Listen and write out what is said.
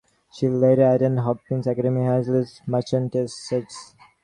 She later attended Hopkins Academy in Hadley, Massachusetts.